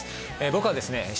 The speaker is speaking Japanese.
僕はですね